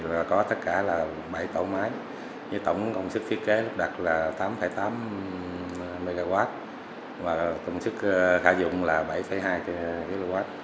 với tổng công suất thiết kế lắp đặt là tám tám kw và công suất khả dụng là bảy hai kw